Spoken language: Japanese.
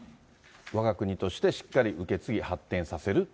わが国としてしっかり受け継ぎ発展させる。